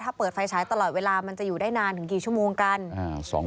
ถ้าเปิดไฟฉายตลอดเวลามันจะอยู่ได้นานถึงกี่ชั่วโมงกัน